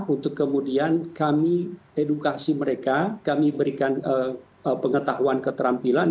untuk kemudian kami edukasi mereka kami berikan pengetahuan keterampilan